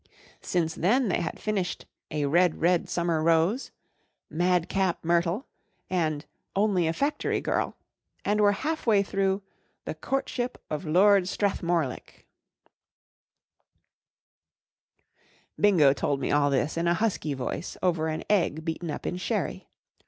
Since then they had finished "A Red, Red Summer Rose*" " Madcap Myrtle," and M Only a Factory Girl/' and were half way through f ' The Courtship of Lord Strathmodick/' Bingo told me all this in a husky voice over an egg beaten up in sherry.